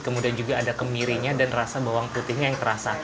kemudian juga ada kemirinya dan rasa bawang putihnya yang terasa